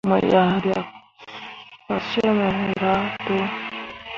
Mo yah riak fasyemme rah to.